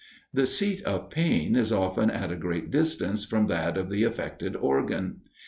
The seat of pain is often at a great distance from that of the affected organ.